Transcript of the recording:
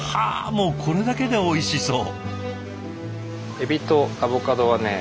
もうこれだけでおいしそう。